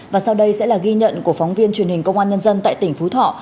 và sau đây sẽ là ghi nhận của phóng viên truyền hình công an nhân dân tại tỉnh phú thọ